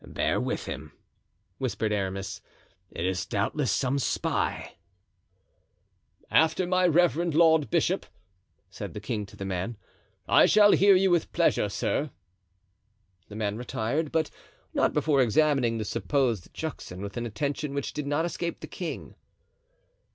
"Bear with him," whispered Aramis; "it is doubtless some spy." "After my reverend lord bishop," said the king to the man, "I shall hear you with pleasure, sir." The man retired, but not before examining the supposed Juxon with an attention which did not escape the king.